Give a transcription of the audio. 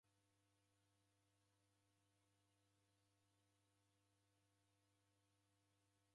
Icho kikombe chaw'ikwa mbembechurenyi chibarikagha!